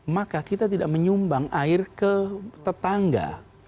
maka kita tidak menyumbang air ke tetangga